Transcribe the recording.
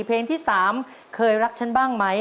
เพลงที่๓เคยรักฉันบ้างไหม